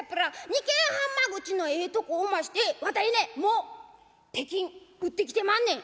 ２間半間口のええとこおましてわたいねもう手金打ってきてまんねん」。